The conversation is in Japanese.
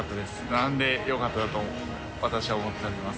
並んでよかったなと私は思っております。